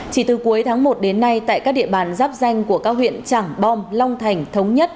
chỉ từ cuối tháng một đến nay tại các địa bàn giáp danh của các huyện trảng bom long thành thống nhất